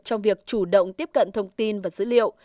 trong việc chủ động tiếp cận thông tin và dữ liệu